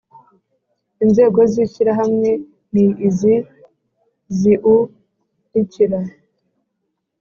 Inzego z Ishyirahamwe ni izi ziurikira